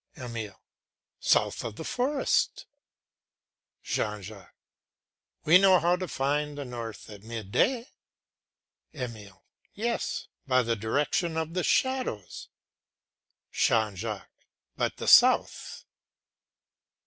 EMILE. South of the forest. JEAN JACQUES. We know how to find the north at midday. EMILE. Yes, by the direction of the shadows. JEAN JACQUES. But the south?